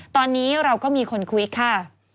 ตอนนี้เราก็มีคนคุยค่ะ